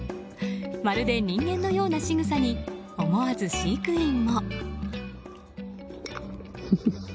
まるで人間のようなしぐさに思わず飼育員も。